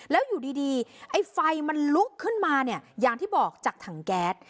แล้วอยู่ดีไอ้ไฟมันลุกขึ้นมาเนี่ยอย่างที่บอกจากถังแก๊ส